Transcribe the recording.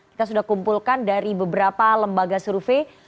kita sudah kumpulkan dari beberapa lembaga survei